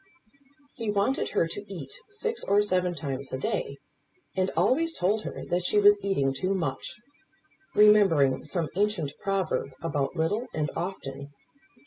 He wanted her to eat six or seven times a day; and always told her that she was eating too much, remembering some ancient proverb about little and often.